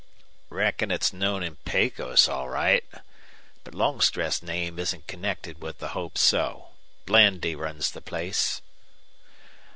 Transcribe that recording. "Reckon it's known in Pecos, all right. But Longstreth's name isn't connected with the Hope So. Blandy runs the place."